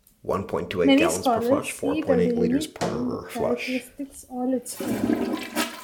Many scholars see it as a unique time with characteristics all its own.